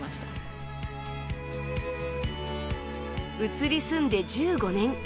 移り住んで１５年。